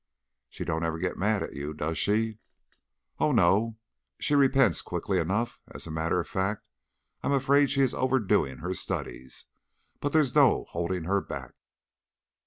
"She don't ever get mad at you, does she?" "Oh no! And she repents quickly enough. As a matter of fact, I am afraid she is overdoing her studies, but there's no holding her back."